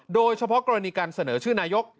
โดยเฉพาะกรณีการเสนอชื่อนายก